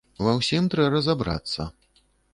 Ва ўсім трэ разабрацца.